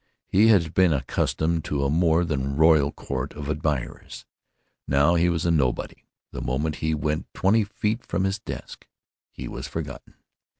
He had been accustomed to a more than royal court of admirers. Now he was a nobody the moment he went twenty feet from his desk. He was forgotten.